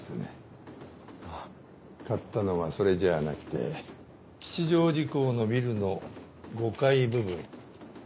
買ったのはそれじゃあなくて吉祥寺校のビルの５階部分。